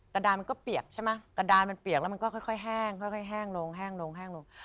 ตามก็เปียกใช่มั้ยมันเปียกแล้วมันจะค่อยแห้งลง